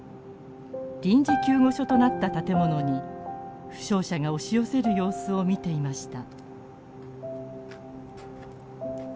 臨時救護所となった建物に負傷者が押し寄せる様子を見ていました。